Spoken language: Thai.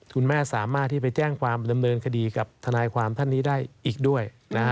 คุณแม่สามารถที่ไปแจ้งความดำเนินคดีกับทนายความท่านนี้ได้อีกด้วย